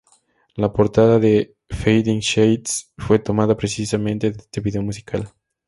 La portada de "Fading Shades" fue tomada precisamente de este vídeo musical.